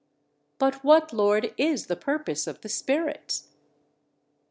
"But what, Lord, is the purpose of the spirits?"